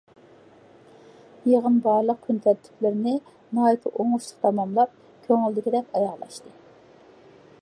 يىغىن بارلىق كۈنتەرتىپلىرىنى ناھايىتى ئوڭۇشلۇق تاماملاپ، كۆڭۈلدىكىدەك ئاياغلاشتى.